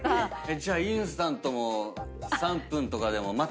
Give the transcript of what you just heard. じゃあインスタントも３分とかでも待たんタイプ？